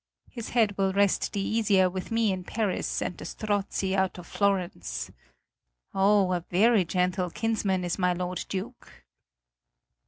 His head will rest the easier with me in Paris and the Strozzi out of Florence. Oh, a very gentle kinsman is my lord Duke."